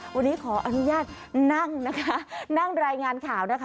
วันนี้ขออนุญาตนั่งนะคะนั่งรายงานข่าวนะคะ